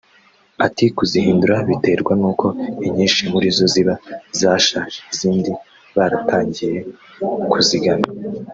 Ati “Kuzihindura biterwa nuko inyinshi muri zo ziba zashaje izindi baratangiye kuzigana[